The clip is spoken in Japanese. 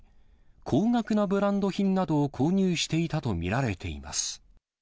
高額なブランド品などを購入していたと見られています。